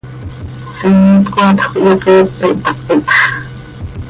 Siimet coaatjö quih hyoqueepe, htahit x.